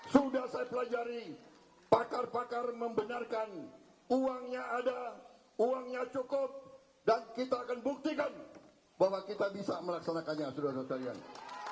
sudah saya pelajari pakar pakar membenarkan uangnya ada uangnya cukup dan kita akan buktikan bahwa kita bisa melaksanakannya saudara saudara sekalian